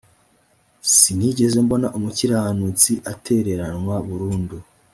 sinigeze mbona umukiranutsi atereranwa burundu